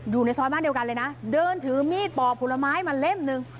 อยู่ในซอยบ้านเดียวกันเลยนะเดินถือมีดปอกผลไม้มาเล่มหนึ่ง